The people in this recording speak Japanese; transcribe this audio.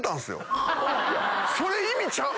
それ意味ちゃう！